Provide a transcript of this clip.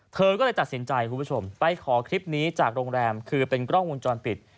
เธอก็เลยตัดสินใจคุณผู้ชมไปขอคลิปนี้จากโรงแรมคือเป็นกล้องวงจรปิด